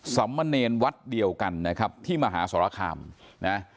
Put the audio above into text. สำมะเนรวัดเดียวกันนะครับที่มหาสรคามนะ